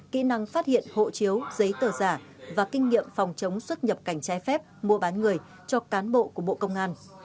kỹ năng phát hiện hộ chiếu giấy tờ giả và kinh nghiệm phòng chống xuất nhập cảnh trái phép mua bán người cho cán bộ của bộ công an